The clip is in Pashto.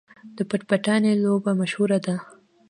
د پټ پټانې لوبه مشهوره ده.